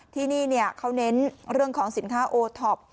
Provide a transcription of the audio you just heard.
ที่นี่เขาเน้นเรื่องของสินค้าโอท็อป